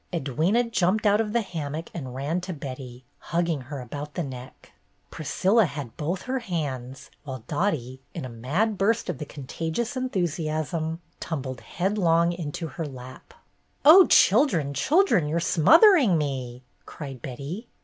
Edwyna jumped out of the hammock and ran to Betty, hugging her about the neck. Priscilla had both her hands, while Dottie, in a mad burst of the contagious enthusiasm, tumbled headlong into her lap. "Oh, children, children, you're smothering me!" cried Betty.